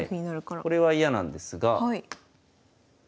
これは嫌なんですが。